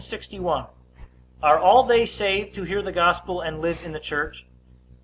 61. Are all they saved who hear the gospel, and live in the church? A.